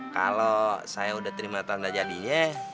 kalau saya udah terima tanda jadinya